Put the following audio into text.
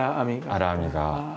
荒編みが。